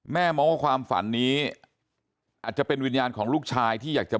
มองว่าความฝันนี้อาจจะเป็นวิญญาณของลูกชายที่อยากจะ